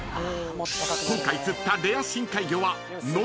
［今回釣ったレア深海魚は］